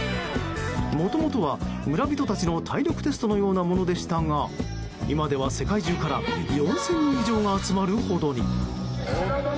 もともとは村人たちの体力テストのようなものでしたが今では世界中から４０００人以上が集まるほどに。